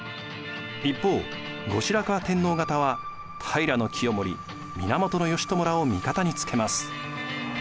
一方後白河天皇方は平清盛源義朝らを味方につけます。